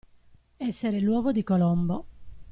Essere l'uovo di Colombo.